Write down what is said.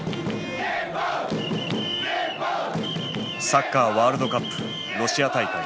サッカーワールドカップロシア大会。